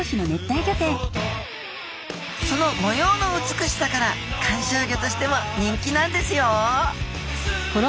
その模様の美しさから観賞魚としても人気なんですよ